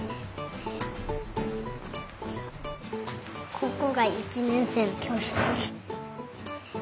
ここが１年生のきょうしつ。